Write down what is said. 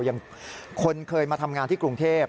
อย่างคนเคยมาทำงานที่กรุงเทพ